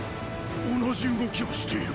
同じ動きをしている！